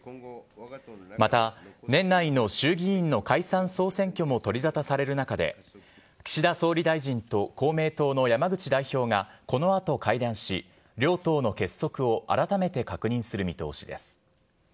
また、年内の衆議院の解散・総選挙も取り沙汰される中で、岸田総理大臣と公明党の山口代表がこのあと会談し、両党の結束を改めて確認する見通しです。